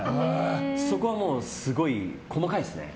そこはもう、すごい細かいですね。